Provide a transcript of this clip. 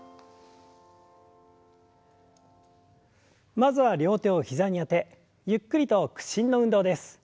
まずは両手を膝にあてゆっくりと屈伸の運動です。